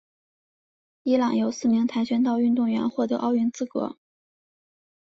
伊朗有四名跆拳道运动员获得奥运资格。